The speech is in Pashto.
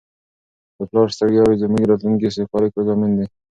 د پلار ستړیاوې زموږ د راتلونکي د سوکالۍ ضامنې دي.